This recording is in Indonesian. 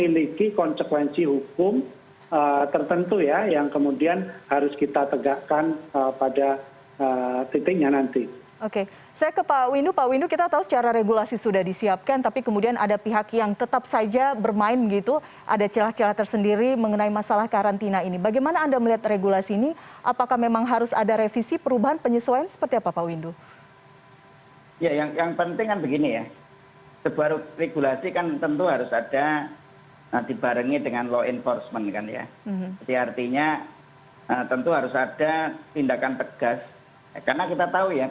lagipun tidak ada karantina terpusat seperti kita